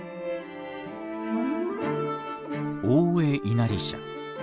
大江稲荷社。